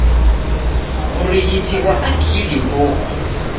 W'urighiti ghwa akili ghoko.